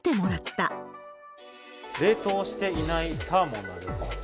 冷凍していないサーモンなんです。